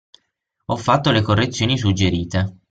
Ho fatto le correzioni suggerite!